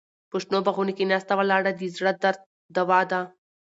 په شنو باغونو کې ناسته ولاړه د زړه درد دوا ده.